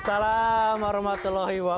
secara anggaran kami ya